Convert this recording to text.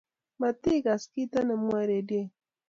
matikas kito ne mwoe redioit